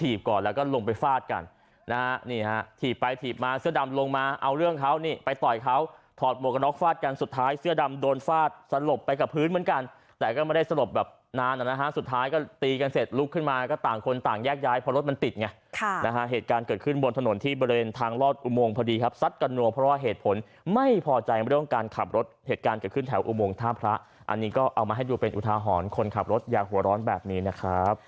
ทีบก่อนแล้วก็ลงไปฟาดกันนะฮะนี่ฮะทีบไปทีบมาเสื้อดำลงมาเอาเรื่องเขานี่ไปต่อยเขาถอดโหมกนอกฟาดกันสุดท้ายเสื้อดำโดนฟาดสะลบไปกับพื้นเหมือนกันแต่ก็ไม่ได้สะลบแบบนานอ่ะนะฮะสุดท้ายก็ตีกันเสร็จลุกขึ้นมาก็ต่างคนต่างแยกย้ายพอรถมันติดไงค่ะนะฮะเหตุการณ์เกิดขึ้นบนถ